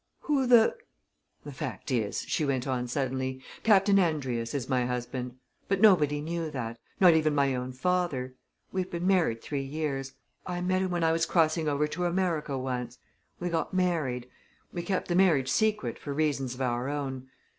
"Who the " "The fact is," she went on suddenly, "Captain Andrius is my husband. But nobody knew that not even my own father. We've been married three years I met him when I was crossing over to America once. We got married we kept the marriage secret for reasons of our own.